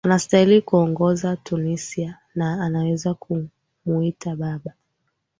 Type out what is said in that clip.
anastahili kuongoza tunisia na nawezi kumuita baba